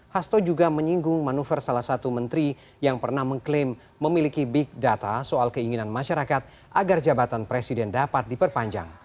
hasto juga menyinggung manuver salah satu menteri yang pernah mengklaim memiliki big data soal keinginan masyarakat agar jabatan presiden dapat diperpanjang